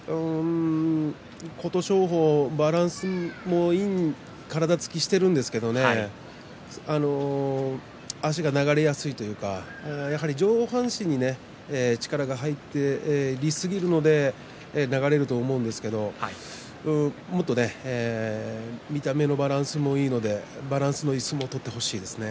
琴勝峰、バランスもいい体つきをしているんですけれども足が流れやすいというか上半身に力が入っていすぎるので流れるんだと思うんですけれどももっと見た目のバランスもいいので、バランスのいい相撲を取ってほしいですね。